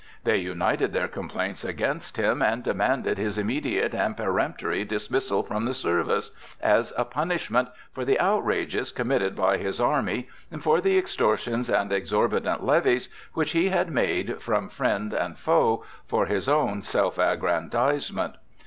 They united their complaints against him and demanded his immediate and peremptory dismissal from the service, as a punishment for the outrages committed by his army and for the extortions and exorbitant levies which he had made from friend and foe for his own self aggrandizement.